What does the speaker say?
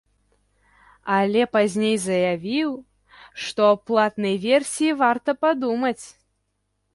Але пазней заявіў, што аб платнай версіі варта падумаць.